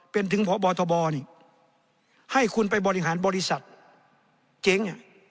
เป็นถึงพบทบนี่ให้คุณไปบริหารบริษัทเจ๊ง